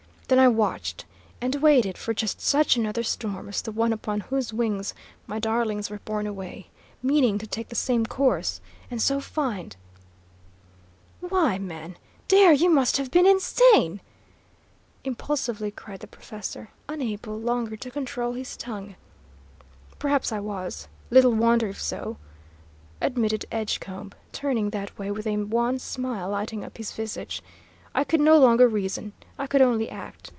Then I watched and waited for just such another storm as the one upon whose wings my darlings were borne away, meaning to take the same course, and so find " "Why, man, dear, you must have been insane!" impulsively cried the professor, unable longer to control his tongue. "Perhaps I was; little wonder if so," admitted Edgecombe, turning that way, with a wan smile lighting up his visage. "I could no longer reason. I could only act.